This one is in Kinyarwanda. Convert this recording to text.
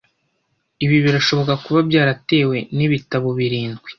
Ibi birashoboka kuba byaratewe nibitabo birindwi